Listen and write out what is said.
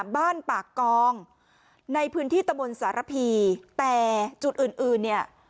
บ้านปากกองในพื้นที่ตะบนสารพีแต่จุดอื่นอื่นเนี่ย